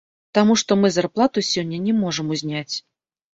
Таму што мы зарплату сёння не можам узняць.